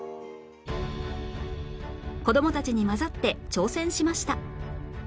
子供たちに交ざって挑戦しました